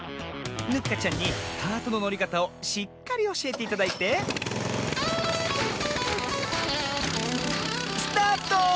ヌッカちゃんにカートののりかたをしっかりおしえていただいてスタート！